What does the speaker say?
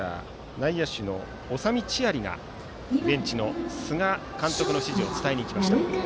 内野手の長見知有がベンチの菅監督の指示を伝えにいきました。